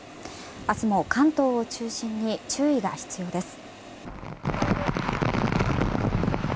明日も関東を中心に注意が必要です。